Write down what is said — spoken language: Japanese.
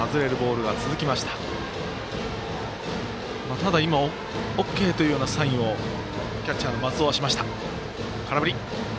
ただ、今ＯＫというサインをキャッチャーの松尾はしました。